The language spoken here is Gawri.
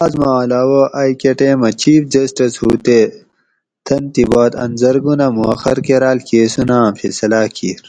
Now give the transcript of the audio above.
آس ما علاوہ ائ کہ ٹیمہ چیف جسٹس ھُو تے تن تھی باد ان زرگونہ مؤخر کراۤل کیسونہ آۤں فیصلاۤ کیر